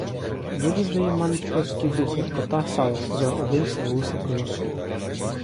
Дуже вже її манить польський дух, як кота сало, — сказав один сивоусий козак.